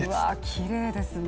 きれいですね。